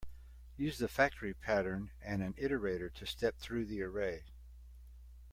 Use the factory pattern and an iterator to step through the array.